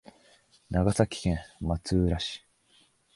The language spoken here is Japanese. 長崎県松浦市